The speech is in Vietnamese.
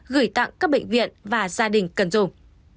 gửi tặng các bệnh viện và gia đình cần dùng